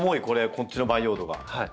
こっちの培養土が。